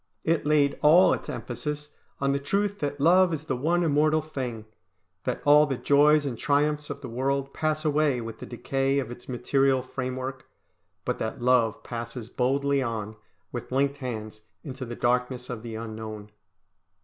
It laid all its emphasis on the truth that love is the one immortal thing, that all the joys and triumphs of the world pass away with the decay of its material framework, but that love passes boldly on, with linked hands, into the darkness of the unknown.